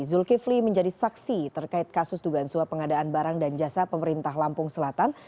zulkifli menjadi saksi terkait kasus dugaan suap pengadaan barang dan jasa pemerintah lampung selatan